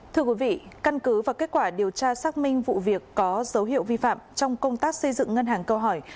thưa quý vị căn cứ và kết quả điều tra xác minh vụ việc có dấu hiệu vi phạm trong công tác xây dựng ngân hàng câu hỏi